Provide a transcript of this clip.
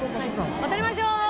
渡りましょう！